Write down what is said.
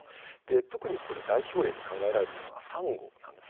特に代表例で考えているのはサンゴなんです。